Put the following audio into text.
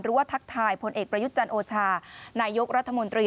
ทักทายผลเอกประยุทธ์จันโอชานายกรัฐมนตรี